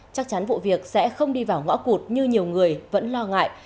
chắc chắn vụ việc sẽ không đi vào ngõ cụt như nhiều người vẫn lo ngại